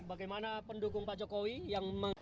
bagaimana pendukung pak jokowi yang